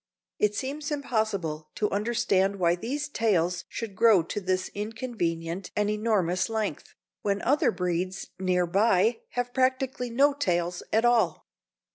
It seems impossible to understand why these tails should grow to this inconvenient and enormous length, when other breeds near by have practically no tails at all.